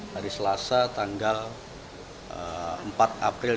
hari selasa tanggal empat april dua ribu dua puluh tiga